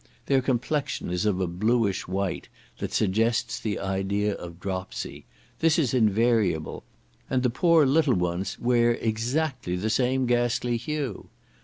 Their complexion is of a blueish white, that suggests the idea of dropsy; this is invariable, and the poor little ones wear exactly the same ghastly hue.